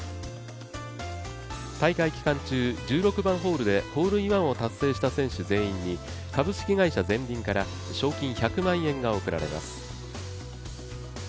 大会期間中、１６番ホールでホールインワンを達成した選手全員に株式会社ゼンリンから賞金１００万円が贈られます。